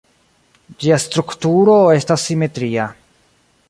Ĝia strukturo estas simetria.